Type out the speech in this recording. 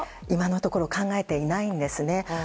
今のところ考えていないんですね。